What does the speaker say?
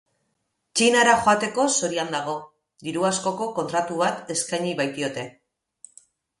Txinara joateko zorian dago, diru askoko kontratu bat eskaini baitiote.